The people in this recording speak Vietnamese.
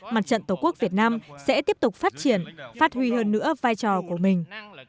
mặt trận tổ quốc việt nam sẽ tiếp tục phát triển phát huy hơn nữa vai trò của mình